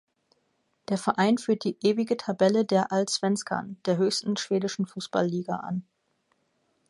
Der Verein führt die ewige Tabelle der Allsvenskan, der höchsten schwedischen Fußballliga, an.